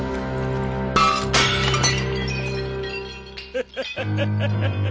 ハハハハ！